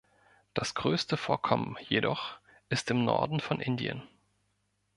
Das größte Vorkommen jedoch ist im Norden von Indien.